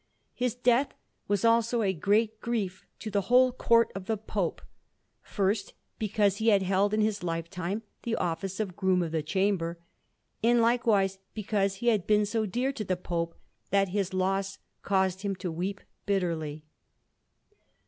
His death was also a great grief to the whole Court of the Pope, first because he had held in his lifetime the office of Groom of the Chamber, and likewise because he had been so dear to the Pope that his loss caused him to weep bitterly.